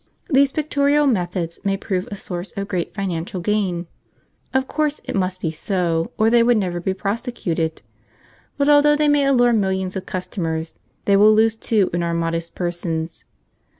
These pictorial methods doubtless prove a source of great financial gain; of course it must be so, or they would never be prosecuted; but although they may allure millions of customers, they will lose two in our modest persons.